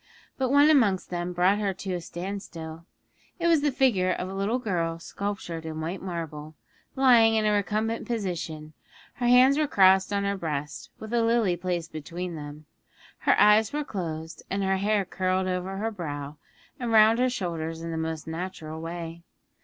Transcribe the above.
But one amongst them brought her to a standstill: it was the figure of a little girl sculptured in white marble, lying in a recumbent position; her hands were crossed on her breast, with a lily placed between them, her eyes were closed, and her hair curled over her brow and round her shoulders in the most natural way.